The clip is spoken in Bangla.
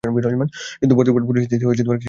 কিন্তু বর্তমান পরিস্থিতি কিছুটা ভিন্ন।